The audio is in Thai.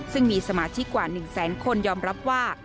ซึ่งมีสมาธิกว่าหนึ่งแสนคนยอมรับว่า